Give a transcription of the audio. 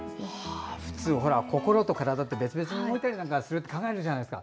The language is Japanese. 普通、心と体って別々に動くように考えるじゃないですか。